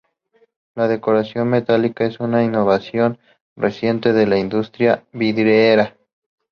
La decoración metálica es una innovación reciente de la industria vidriera.